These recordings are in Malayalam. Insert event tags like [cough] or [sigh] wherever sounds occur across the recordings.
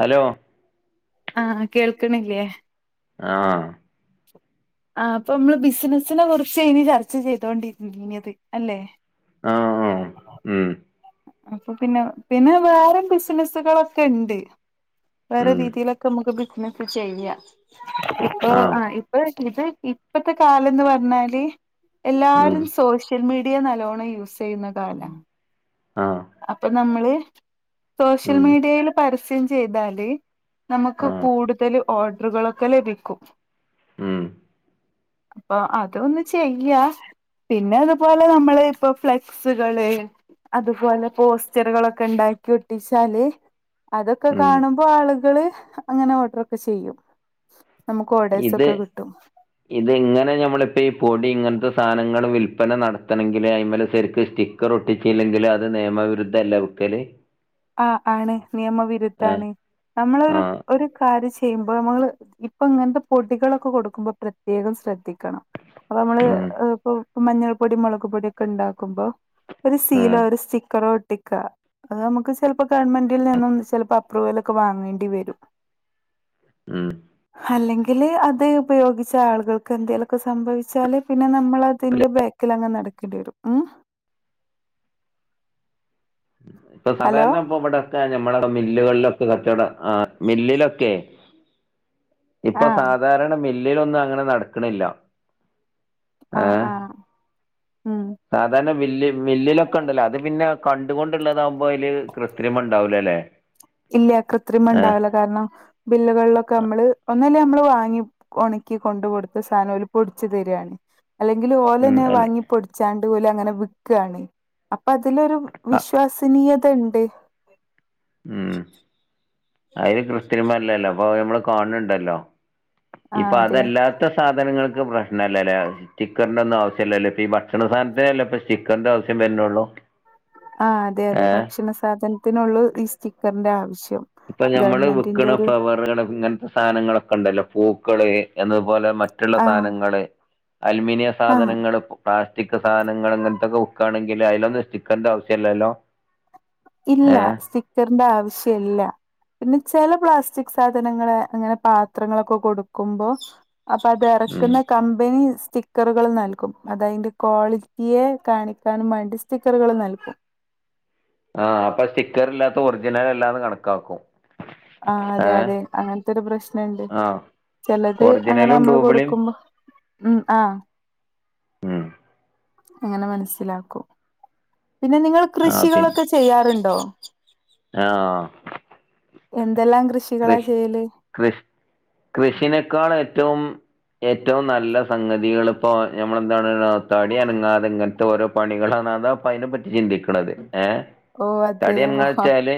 ഹലോ കേൾക്ക്ണില്യേ? ആഹ് ആഹ് അപ്പൊ ഇമ്മള് ബിസിനസിനെ കുറിച്ചെയ്ന് ചർച്ച ചെയ്തോണ്ടിരിന്നീന്നത് അല്ലെ? ആഹ് ആഹ് ഉം അപ്പൊ പിന്നെ പിന്നെ വേറെ ബിസിനസുകളൊക്കെണ്ട് വേറെ ഉം രീതിയിലൊക്കെ നമുക്ക് ബിസിനസ്സ് ചെയ്യാ ഇപ്പൊ ആഹ് ഇപ്പ ഇത് ഇപ്പത്തെ കാലംന്ന് പറഞ്ഞാല് ഉം എല്ലാരും സോഷ്യൽ സോഷ്യൽ മീഡിയ നല്ലോണം യൂസ് ചെയ്യുന്ന കാലാണ് ആഹ് അപ്പൊ നമ്മള് സോഷ്യൽ ഉം മീഡിയയിൽ പരസ്യം ചെയ്താല് നമുക്ക് ആഹ് കൂടുതൽ ഓർഡറുകളൊക്കെ ലഭിക്കും ഉം അപ്പൊ അതൊന്ന് ചെയ്യാ പിന്നെ അതുപോലെ നമ്മള് ഇപ്പോ ഫ്ലെക്സുകള് അതുപോലെ പോസ്റ്ററുകളൊക്കെ ഉണ്ടാക്കി ഒട്ടിച്ചാല് അതൊക്കെ ഉം കാണുമ്പോ ആളുകള് അങ്ങനെ ഓഡറൊക്കെ ചെയ്യും നമുക്ക് ഓർഡേഴ്സ് ഇത് ഒക്കെ കിട്ടും ഇത് ഇങ്ങനെ ഞമ്മളിപ്പോ ഈ പൊടി ഇങ്ങനത്തെ സാധനങ്ങള് വിൽ വിൽപന നടത്തണങ്കില് അയിമലെ ശെരിക്ക് സ്റ്റിക്കർ ഒട്ടിച്ചില്ലെങ്കിൽ അത് നിയമവിരുദ്ധല്ലെ വെക്കല് ആ ആണ് നിയമവിരുദ്ധാണ് നമ്മളൊരു ആഹ് ഒരു കാര്യ ചെയ്യുമ്പോ നമ്മള് ഇപ്പൊ ഇങ്ങനത്തെ പൊടികളൊക്കെ കൊടുക്കുമ്പോ പ്രത്യേകം ശ്രദ്ധിക്കണം അപ്പൊ അമ്മള് ഉം ഇപ്പൊ മഞ്ഞൾ പൊടി മൊളക് പൊടിയൊക്കെ ഇണ്ടാക്കുമ്പോ ഒരു ഉം സീലോ ഒരു സ്റ്റിക്കറോ ഒട്ടിക്ക അത് നമുക്ക് ച് ചെൽപ്പൊ ഗവൺമെന്റിൽ നിന്നും ചെലപ്പൊ അപ്രൂവലൊക്കെ വാങ്ങേണ്ടി വരും ഉം അല്ലെങ്ക് [inaudible] ങ്കില് അത് ഉപയോഗിച്ചാളുകൾക്ക് എന്തേലൊക്കെ സംഭവിച്ചാല് പിന്നെ നമ്മളതിൻ്റെ ബാക്കിലങ്ങ് നടക്ക് ക്കണ്ടി വരും ആഹ് ഇപ്പൊ സാധാരണ ഇപ്പൊ ഇവടൊക്കെ ഞമ്മളട മിൽ ല്ലുകളിലൊക്കെ കച്ചോട ആഹ് മില്ലിലൊക്കേ ഇപ്പൊ ആഹ് സാധാരണ മിൽ ല്ലിലൊന്നങ്ങനെ നടക്ക്ണില്ല ആഹ് ആഹ് ഉം സാധാരണ മില്ല് മില്ലിലൊക്കെണ്ടല്ലൊ അത് പിന്നെ കണ്ടുകൊണ്ട്ള്ളതാവു മ്പയില് കൃത്രിമണ്ടാവൂലല്ലേ ഇല്ല്യ കൃത്രിമണ്ടാവില്ല കാരണം മില്ലുകളിലൊക്കെ അമ്മള് ഒന്ന് ന്ന് ഞമ്മള് വാങ്ങി ഒണക്കി കൊണ്ട് കൊടുത്ത സാനോര് പൊടിച്ച് തര്ആണ് അല്ലെങ്കില് ഓല് ഉം അന്നെ അതെ വാങ്ങി പൊടിച്ചാണ്ട് ഓല് അങ്ങനെ വിക്ക്ആണ് അപ് പ്പതിലൊരു ആ വിശ്വാസനീയത ഇണ്ട് അയില് ക്രിസ്ത്യനിമാരില്ലല്ലോ അപ്പോ ഞമ്മള് കാണ്ണ്ണ്ടല്ലോ ആഹ് ഇപ്പൊ അതെ അതല്ലാത്ത സാധനങ്ങള് ക്ക് പ്രശ്നല്ലല്ലേ സ്റ്റിക്കറിൻ്റൊന്നും ആവശ്യല്ലല്ലേ ഇപ്പീ ഭക്ഷണ സാൻത്തിനല്ലേ ഇപ്പ സ്റ്റിക്കറിൻ്റാവശ്യം വര്നൊള്ളൂ ആഹ് അതെയതെ ഭക്ഷണ സാധൻത്തിനൊള്ളൂ ഈ സ്റ്റിക്കറിന്റെ ആവശ് ഇപ്പൊ ഞമ്മള് വിക്ക്ണ ഫ്ലവറ്കള് ഇങ്ങൻത്തെ സാനങ്ങളൊക്കെ ഇണ്ടല്ലോ പൂക്കള് എന്ത് പോലെ മറ്റ്ള്ള ആ സാനങ്ങള് അലുമിനിയ ആ സാധനങ്ങള് കുട്ടാൻ റ്റിക്ക് സാനങ്ങള് അങ്ങനത്തൊക്കെ വുക്കാണെങ്കില് അയിലൊന്നും സ്റ്റിക്കറിൻ്റാവശ്യല്ലല്ലോ ഇല്ലാ സ്റ്റിക്കറിൻ്റാവശ്യല്ല പിന്നെ ചെല പ്ലാസ്റ്റിക് സാധനങ്ങള് അങ്ങനെ പാത്രങ്ങളൊക്കെ കൊടുക്കുമ്പോ അപ്പത് ഉം എറക്കുന്ന കമ്പനി സ്റ്റിക്ക് ക്കറുകളും നൽകും അതയിന്റെ ക്വാളിറ്റിയെ കാണിക്കാനും വേണ്ടി സ്റ്റിക്കറുകള് നൽകും [inaudible] ആഹ് അപ്പ സ്റ്റിക്കറില്ലാത്ത ഒറിജിനലല്ലാന്ന് കണക്കാക്കും ആഹ് ഏ അതെയതെ അങ്ങനത്തൊരു പ്രശ്നണ്ട് ആ ചെലത് അങ്ങനെ ഒറിജിനലും നമ്മള് ഡൂബിളിയും കൊടുക്കുമ്പോ ഉം ആഹ് ഉം [inaudible] അങ്ങനെ മനസ്സിലാക്കും പിന്നെ നിങ്ങള് കൃഷികളൊക്കെ ചെയ്യാറുണ്ടോ [inaudible] ആഹ് എന്തെല്ലാം കൃഷികളാ കൃഷ് ചെയ്യല്? കൃഷ് കൃഷിനേക്കാളേറ്റവും ഏറ്റവും നല്ല സംഗതികളിപ്പോ ഞമ്മളെന്താണ്ന്നാ തടിയനങ്ങാതെ ഇങ്ങനത്തെ ഓരോ പണികളാ അതാ ഇപ്പയിന പറ്റി ചിന്തിക്ക്ണത് ഏഹ് ഓ അതെയോ തടിയൻങ്ങാ വെച്ചാല്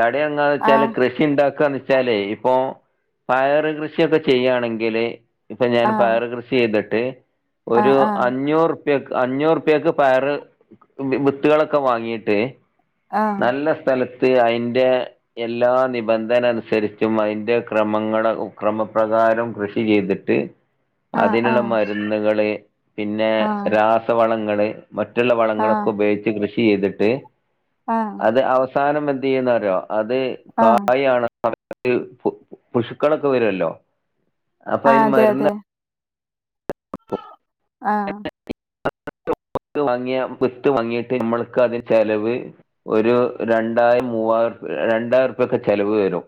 തടിയൻങ്ങാന്ന് വെച്ചാല് ആഹ് കൃഷി ഇണ്ടാക്ക് ക്കന്നെച്ചാലേ ഇപ്പോ പയറ് കൃഷിയൊക്കെ ചെയ്യാണെങ്കില് ഇപ്പ ഞാന് ആഹ് പയർ കൃഷി ചെയ്തട്ട് ഒരു ആഹ് ആഹ് അഞ്ഞൂറ് പ്യക്ക് അഞ്ഞൂറുപ്യക്ക് പയറ് വി വിത്തുകളൊക്കെ വാങ്ങീട്ട് ആഹ് നല്ല സ്ഥലത്ത് അയിൻ്റെ എല്ലാ നിബന്ധ ന്ധനനുസരിച്ചും അയിന്റെ ക്രമങ്ങള ഉ ക്രമപ്രകാരം കൃഷി ചെയ്തിട്ട് ആഹ് അതിന്ള്ള ആഹ് മരുന്ന്കള് പിന്നെ ആഹ് രാസവളങ്ങള് മറ്റുള്ള ആഹ് വളങ്ങളൊക്കെ ഉപയോഗിച്ച് കൃഷി ചെയ്തിട്ട് ആഹ് ആഹ് അത് അവസാനം എന്ത് ചെയ്യുന്നറിയോ? അത് ആഹ് കായാണ് [unintelligible] പു പുഷുക്കളൊക്കെ വരുവല്ലോ. അപ്പ അയിന് അതെ അതെ മരുന്ന് ആഹ് [unintelligible] വാങ്ങിയ വിത്ത് വാങ്ങീട്ട് ഞമ്മള്ക്കതിൽ ചെലവ് ഒരു രണ്ടായി മൂവായി [unintelligible] രണ്ടായിരുർപ്യക്കെ ചെലവ് വരും.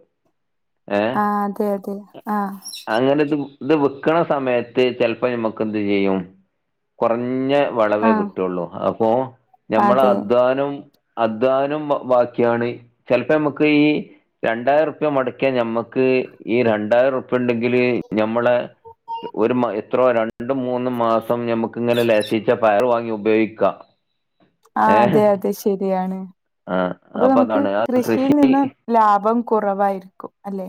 ഏഹ് ആ അതെ അതെ. ആഹ് അങ്ങനെ ഇത് വ് ഇത് വിക്കണ സമയത്ത് ചെലപ്പോ നമ്മുക്ക് എന്ത് ചെയ്യും കുറഞ്ഞ വളവേ ആഹ് കിട്ടുള്ളൂ, അപ്പോ ഞമ്മള അതെ അധ്വാനം അധ്വാനം ബാ ബാക്കിയാണ് ചെലപ്പ നമുക്ക് ഈ രണ്ടായിരുർപ്യ മൊടക്കിയ ഞമ്മക്ക് [unintelligible] ഈ രണ്ടായിരം ഉറുപ്യ ഉണ്ടെങ്കില് ഞമ്മളെ ഒരു മ എത്രോ രണ്ട് മൂന്ന് മാസം ഞമ്മുക്ക് ഇങ്ങനെ ലേസിച്ചെ പയർ വാങ്ങി ഉപയോഗിക്കാം. ആ ഏഹ് അതെ അതെ ശെരിയാണ്, ആ അപ്പോ അപ്പൊ നമുക്ക് അതാണ് ആ കൃഷിയിൽ കൃഷി നിന്ന് ലാഭം കുറവായിരിക്കും അല്ലെ?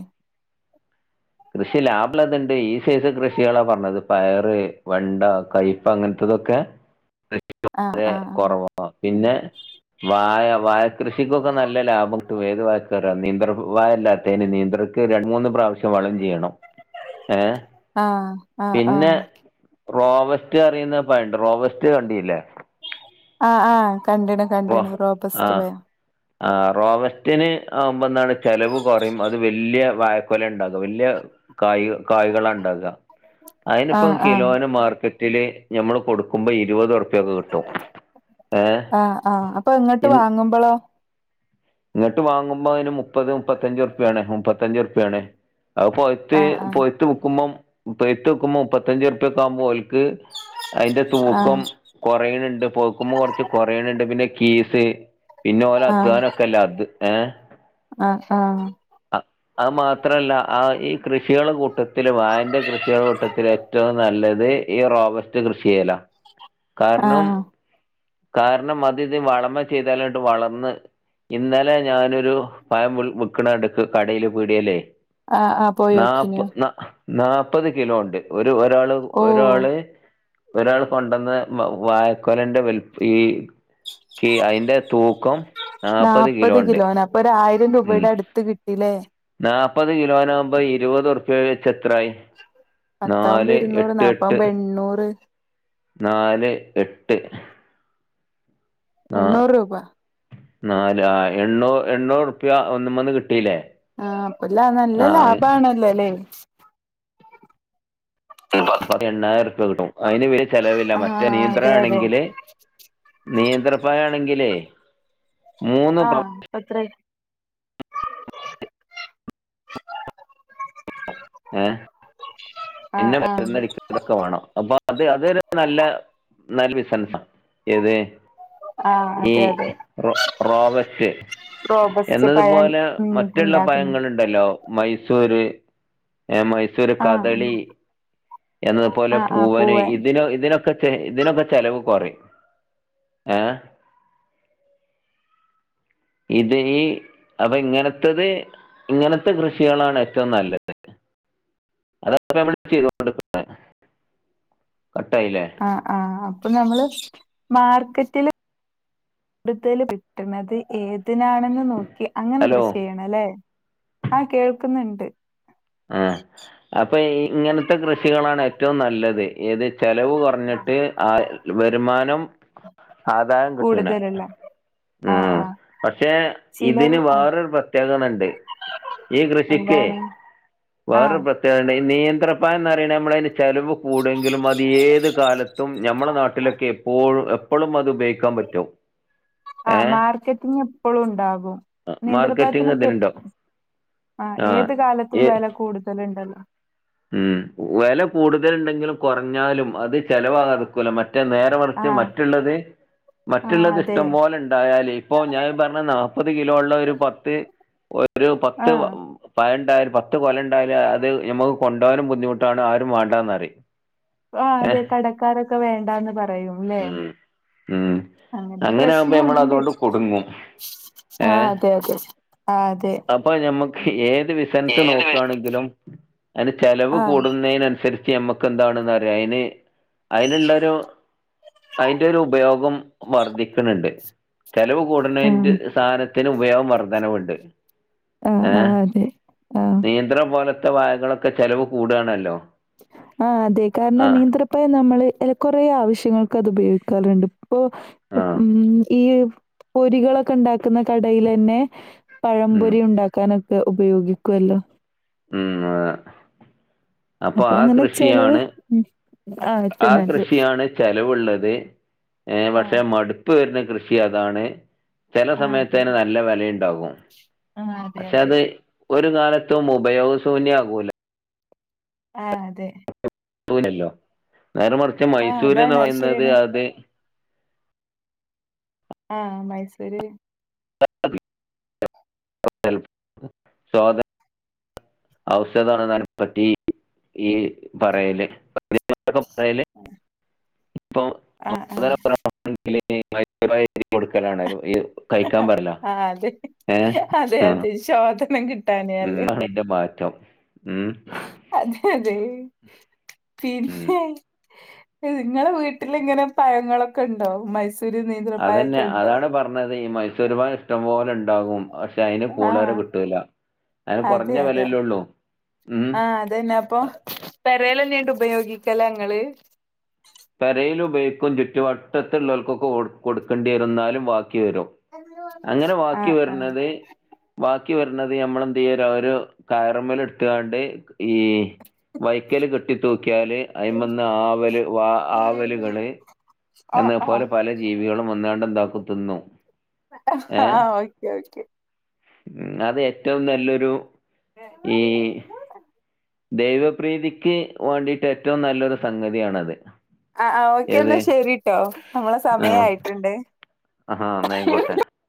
കൃഷി ലാഭള്ളത് ഇണ്ട്, ഈ സൈസ് കൃഷികളാ പറഞ്ഞത് പയറ്, വെണ്ട, കൈപ്പ അങ്ങനത്ത അതൊക്കെ [unintelligible] ആഹ് ക്കെ ആഹ് കൊറവാ പിന്നെ വായ വാഴ കൃഷിക്കൊക്കെ നല്ല ലാഭം ട്ടും ഏത് വായക്കറ നീന്ത്ര വായല്ലാത്തെന് നീന്ത്രക്ക് രണ് മൂന്ന് പ്രാവശ്യം വളം ചെ ചെയ്യണം, ഏ ആഹ് ആഹ് പിന്നെ ആഹ് റോവസ്റ്റ് അറിയുന്ന പയണ്ട് റോവസ്റ്റ് കണ്ടില്ലേ. ആ ആഹ് കണ്ട്ണ് റോ കണ്ട്ണ് ആ റോബസ്റ്റ് പയം. ആ റോവസ്റ്റിന് ആവുമ്പോ എന്താണ് ചെലവ് കൊറയും അത് വെല്യ വായക്കൊല ഇണ്ടാക വെല്യ കായ് കായ്കള ഇണ്ടാക. അയിനിപ്പം ആഹ് ആഹ് കിലോന് മാർക്കറ്റില് ഞമ്മള് കൊടുക്കുമ്പോ ഇരുപത് ഉർ ക്കൊക്കെ കിട്ടും, ഏ ആ അപ്പ ഇങ്ങട്ട് വാങ്ങുമ്പളോ? ഇങ്ങട്ട് വാങ്ങുമ്പോ അതിന് മു മുപ്പത് മുപ്പത്തഞ്ച് ഉർപ്യാണ്, മുപ്പത്തഞ്ച് ഉർപ്യാണ്, ആ പൊയ്ത് ആഹ് ആഹ് പൊയ്ത് വിക്കുമ്പം പഴ്ത്ത് വിക്കുമ്പോ മുപ്പത്തഞ്ചുറുപ്യക്കാകുമ്പോ ഓൽ ക്ക് അയിന്റെ തൂക്കം കൊറയണണ്ട് പയ്ക്കുമ്പോ കൊറച്ച് കൊറയണണ്ട്, പിന്നെ കീസ് പിന്നെ ഓല അധ്വാന അത് ഏ ആ ആ അ അത് മാത്രല്ല ആ ഈ കൃഷികള കൂട്ടത്തില് വായന്റെ കൃഷികള കൂട്ടത്തില് ഏറ്റവും നല്ലത് ഈ റോവെസ്റ്റ് കൃഷി ചെയല, കാരണം ആഹ് കാരണം അത് ഇത് വളമ ചെയ്താലോട്ട് വളർന്ന് ഇന്നലെ ഞാനൊരു പയം വിൽ വിക്കണ എടുക്ക് കടേല് പീടിയേലേ ആഹ് ആഹ് നാപ്പ് പോയോക്കിനോ ന നാപ്പത് കിലോ ഒണ്ട്, ഒരു ഒരാള് ഓഹ് ഒരാള് ഒരാള് കൊണ്ടന്ന് വ് വായക്കൊലന്റെ വൽ ഈ കി അയിന്റെ തൂക്കം കിലോ നാപ്പത് ഉണ്ട് കിലോന അപ്പ ഒരായിരം ഉം രൂപയുടെ അടുത്ത് കി നാപ്പത് കിലോനാവുമ്പോ ഇരുപത് ഉർപ്യ വെച്ച് എത്രായി? പത്താവുമ്പോ നാല് ഇരുന്നൂറ് എട്ട് എട്ട് നാപ്പാവുമ്പോ എണ്ണൂറ് നാല് എട്ട് ആ എണ്ണൂറ് രൂപ നാല് ആ എണ്ണൂ എണ്ണൂറുപ്യ ഒന്നുമ്മന്ന് കിട്ടീലേ. ആഹ് അപ്പ നല്ല ലാഭാണല്ലോ അല്ലെ എണ്ണായിരറുപ്യ കിട്ടും അയില് ചെലവില്ല ആഹ് മറ്റേ നീന്ത്ര അതെ അതെ ആണെങ്കില് നീന്ത്രപ്പയാണെങ്കിലേ ആഹ് ഇ പത്ര ഏഹ് ആഹ് പിന്നെ ആഹ് മരുന്നരിക്കതൊക്കെ വേണം അപ്പൊ അത് അതരു നല്ല നല്ല ബിസിനസ ഏത് ആഹ് ഈ അതെ അതെ റോ റോവസ്റ്റ് റോബസ്റ്റ് പഴം എന്നതുപോലെ ഉം മറ്റുള്ള ഉണ്ടാക്കുന്ന പഴങ്ങളുണ്ടല്ലോ മൈസൂര് മൈസൂര് ആഹ് കദളി എന്നതുപോലെ ആഹ് ആഹ് പൂവന് പൂവാൻ ഇതിനോ ഇതിനോ ഇതിനൊക്കെ ചെലവ് കുറയും ഏഹ് ഇത് ഇ അപ്പൊ ഇങ്ങനത്തത് ഇങ്ങനത്തെ കൃഷികളാണ് ഏറ്റവും നല്ലത് അതാപ്പൊ നമ്മള് ചെയ്ത് കൊടുക്കുന്നെ ആഹ് ആഹ് അപ്പ നമ്മള് മാർക്കറ്റില് കൂടുതല് കിട്ടണത് ഏത നാണെന്ന് നോക്കി അങ്ങനെ ഹലോ കൃഷി ചെയ്യണല്ലേ ആഹ് കേൾക്കുന്നുണ്ട് ആഹ് അപ്പൊ ഇ ഇങ്ങനത്തെ കൃഷികളാണ് ഏറ്റവും നല്ലത് ഏത് ചെലവ് കൊറഞ്ഞിട്ട് ആഹ് വരുമാനം ആദായം കിട്ട്ണ് കൂടുതലുള്ള ആഹ് ഉം ആഹ് പക്ഷെ ഇതിന് ചിലവ് ആഹ് വേറൊരു പ്രത്യേകണുണ്ട് ഈ കൃഷിക്കെ എന്താണ് വേറോരു ആഹ് പ്രത്യേകത ഇണ്ട് നിയന്ത്രപ്പയന്നറിയണ നമ്മളയിന്ന് ചെലവ് കൂടെങ്കിലും അത് ഏത് കാലത്തും ഞമ്മടെ നാട്ടിലൊക്കെ എപ്പോഴും എപ്പളും അത് ഉപേഗിക്കാൻ പറ്റും ആ ഏഹ് മാർക്കറ്റിങ് എപ്പോഴും ഉണ്ടാകും മാർക്കറ്റിങ് നിന്ത്രപയത്തിനൊക്കെ എ ഇതിനുണ്ടോ ആഹ് ഏത് കാലത്തും ഈ വേല കൂടുതലുണ്ടല്ലോ ഉം വേല കൂടുതലിണ്ടെങ്കിലും കുറഞ്ഞാലും അത് ചെലവാടുക്കൂല മറ്റേ നേരെ മറിച്ച് ആഹ് മറ്റുള്ളത് ആഹ് മറ്റുള്ളത് അതെ ഇഷ്ടം പോലെ ഉണ്ടായാല് ഇപ്പൊ ഞാൻ പറഞ്ഞ നാല്പത് കിലോ ഉള്ള ഒരു പത്ത് ഒരു പത്ത് ആഹ് പയണ്ടായല് പത്ത് കൊല ഇണ്ടായാല് അത് ഞമ്മ കൊണ്ടോകാനും ബുദ്ധിമുട്ടാണ് ആരും വേണ്ടാന്ന്റിയും ആ അതെ കടക്കാരൊക്കെ വേണ്ടാന്ന് പറയും ല്ലേ ഉം ഉം അങ്ങനത്തെ അങ്ങനെ ആകുമ്പോ പ്രശ്നം നമ്മൾ ഉണ്ട് അതുകൊണ്ട് കുടുങ്ങും ആ ഏഹ് അതെ അതെ ആ അതെ അപ്പൊ ഞമ്മക്ക് ഏത് വിസൻസ് നോക്കണെങ്കിലും അതിന് ചെലവ് ആഹ് കൂടുന്നലേനുസരി സരിച്ച് ഞമ്മക്കെന്താണ്ന്നറിയ അയിന് അയിനുള്ളൊരു അയിന്റെ ഒരു ഉപയോഗം വർധിക്ക്ണുണ്ട് ചെലവ് കൂടണെന്റ് സാനത്തിന് ഉപയോഗം വർധനവുണ്ട് ആഹ് ആഹ് ഏഹ് ആഹ് അതെ ആഹ് നീന്ത്ര പോലത്തെ വായകളൊക്കെ ചെലവ് കൂടുകണല്ലോ ആ അതേ കാരണം നിയന്ത്രപ്പായം നമ്മള് എല് കുറേ ആവശ്യങ്ങൾക്ക് അത് ഉപയോഗിക്കാറുണ്ട് ഇപ്പൊ ആ ഉം ഈ പൊരികളൊക്കെ ഇണ്ടാക്കുന്ന കടയിലേന്നെ ഉം പഴംപൊരി ഉണ്ടാക്കാനൊക്കെ ഉപയോഗിക്കുവല്ലോ ഉം ആഹ് അപ്പൊ ആ അങ്ങനെ ചെലവ് കൃഷിയാണ് ഉം ആഹ് ആ ഏറ്റവും നല്ലത് കൃഷിയാണ് ചെലവുള്ളത് ഏ പക്ഷേ ആഹ് മടുപ്പ് വരുന്ന കൃഷി അതാണ് ചെല ആഹ് അതെ സമയത്തയ്ന് നല്ല വെലയ്ണ്ടാകും. ആഹ് അതെ പക്ഷേ അതെ അത് ഒരു കാലത്തും ഉപയോഗസൂന്യാകൂല. ആഹ്, അതെ. പ്പൂനല്ലോ നേരെ മറിച്ച് ആഹ് അതാണ് മൈസൂര്ന്ന് അത് പറയുന്നത് ശരിയാണ് അത് ആഹ് മൈസൂര് [unintelligible] സ്വാത ഔശധാണെന്നയ്നെ പറ്റി ഈ പറയല്. പറയല് ആ ആ [unintelligible] പൈസക്ക് കൊടുക്കലാണേലും ആ അതെ അതെ അതെ ശോദനം കിട്ട ഉം മണ്ണിന്റെ മാറ്റം ഉം അതെ അതെ ഉം പിന്നെ നിങ്ങളെ വീട്ടിലിങ്ങനെ പഴങ്ങളൊക്കെ ഇണ്ടോ മൈസൂ അതന്നെ അതാണ് പറഞ്ഞത് ഈ മൈസൂരുപഴം ഇഷ്ടം പോലെ [unintelligible] പക്ഷെ അതിന് പൂളരെ ആഹ് കിട്ടൂല അതിന് അതെ കുറഞ്ഞ അതെ വിലയല്ലേ ഉള്ളൂ ഉം ആഹ് അതന്നെ അപ്പൊ പെരേലെന്നെയിടും ഉപയോഗിക്കല ഇങ്ങള് പരേൽ ഉപയോഗിക്കും ചുറ്റുവട്ടത്തിലുള്ളവർക്കൊക്കെ കൊടു കൊടുക്കേണ്ടിവരും എന്നാലും ബാ [unintelligible] അങ്ങനെ വാക്കി ആഹ് ആഹ് വരണത് ക്കി വരണത് നമ്മളെന്തെയ്യര ഒരു കാറുമ്മലെടുത്തുങ്ങാണ്ട് ഈ വൈക്കല് കെട്ടി തൂക്കിയാല് അയിമന്ന് ആവല് ആ ആവലുകള് ഓ എന്നേ ഓ പോലെ പല ജീവികളും വന്നാണ്ട് എന്താ കുത്തുന്നു ആഹ് ഓക്കെ ഓക്കെ ഉം അത് ഏറ്റവും നല്ലൊരു ആഹ് ഈ ദൈവപ്രീതിക്ക് വേണ്ടിയിട്ട് ഏറ്റവും നല്ലൊരു സംഗതിയാണത് അ ആ ഓക്കെ ഏത് എന്നാ ശരിട്ടോ നമ്മളെ സമയായിട്ടുണ്ട് അഹ എന്നാ ആയികോട്ടെ